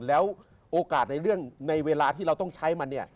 แล้วโอกาสในเรื่องในเวลาที่เราต้องใช้มันเนี่ย